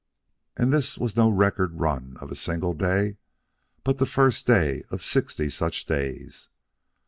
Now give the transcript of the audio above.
And this was no record run of a single day, but the first day of sixty such days.